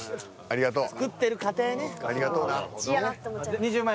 ありがとうな。